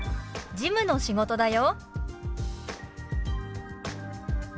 「事務の仕事だよ」。